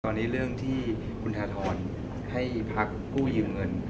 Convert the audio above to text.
ตอนนี้เรื่องที่คุณธนทรให้พักกู้ยืมเงิน